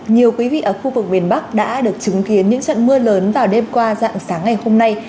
nhiều quý vị ở khu vực miền bắc đã được chứng kiến những trận mưa lớn vào đêm qua dạng sáng ngày hôm nay